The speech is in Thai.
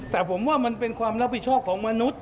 แต่ผมว่ามันเป็นความรับผิดชอบของมนุษย